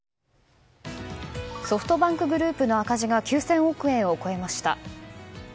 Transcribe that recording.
ソフトバンクグループの赤字が９０００億円を超えました。